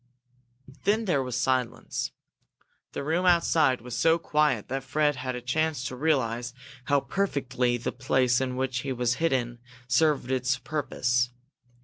Then there was silence. The room outside was so quiet that Fred had a chance to realize how perfectly the place in which he was hidden served its purpose.